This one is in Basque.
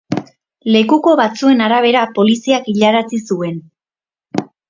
Lekuko batzuen arabera poliziak hilarazi zuen.